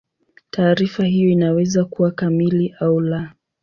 Taarifa hiyo inaweza kuwa kamili au la.